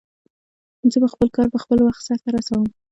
زه به خپل کار په خپل وخت سرته ورسوم